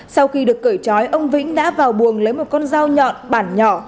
sau khi được cởi trói ông vĩnh đã vào buồng lấy một con dao nhọn bản nhỏ